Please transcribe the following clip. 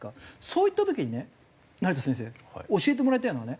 そういった時にね成田先生教えてもらいたいのがね